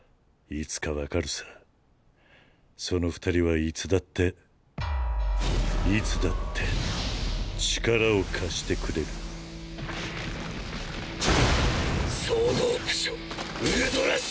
いつか分かるさその二人はいつだっていつだって力を貸してくれるバキバキッ！